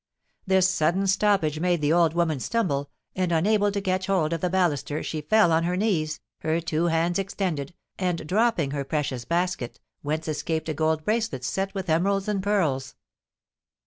This sudden stoppage made the old woman stumble, and, unable to catch hold of the baluster, she fell on her knees, her two hands extended, and dropping her precious basket, whence escaped a gold bracelet set with emeralds and pearls.